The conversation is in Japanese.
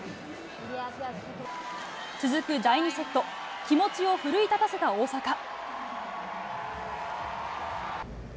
続く第２セット気持ちを奮い立たせた大坂。